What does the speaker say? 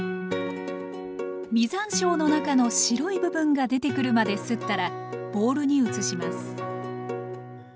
実山椒の中の白い部分が出てくるまですったらボウルに移します